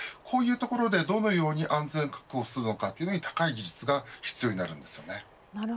こうしたところでどのように安全を確保するのかというのに高い技術が必要になります。